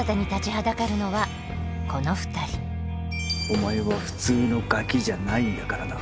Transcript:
お前は普通のガキじゃないんだからな。